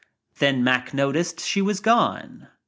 Then Mack noticed she was gone.